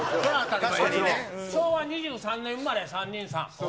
昭和２３年生まれ、３人さん。